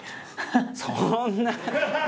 そんな！